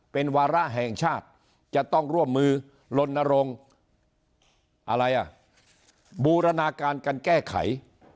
เป็นวาระแห่งชาติจะต้องร่วมมือลนรงค์อะไรอ่ะบูรณาการการแก้ไข